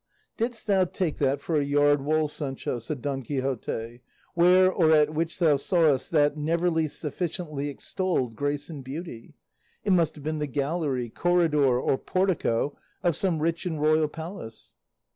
"Didst thou take that for a yard wall, Sancho," said Don Quixote, "where or at which thou sawest that never sufficiently extolled grace and beauty? It must have been the gallery, corridor, or portico of some rich and royal palace."